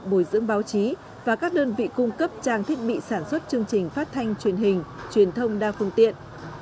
bồi dưỡng báo chí và các đơn vị cung cấp trang thiết bị sản xuất chương trình phát thanh truyền hình truyền thông đa phương tiện